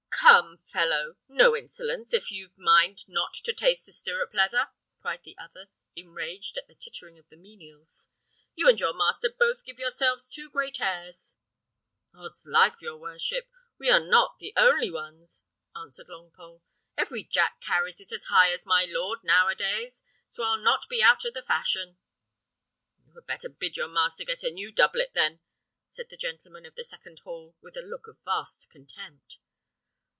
"Come, fellow, no insolence, if you mind not to taste the stirrup leather," cried the other, enraged at the tittering of the menials. "You and your master both give yourselves too great airs." "'Ods life, your worship, we are not the only ones!" answered Longpole. "Every Jack carries it as high as my lord, now a days; so I'll not be out o' the fashion." "You had better bid your master get a new doublet, then," said the gentleman of the second hall, with a look of vast contempt.